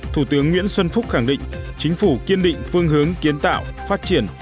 thủ tướng nguyễn xuân phúc khẳng định chính phủ kiên định phương hướng kiến tạo phát triển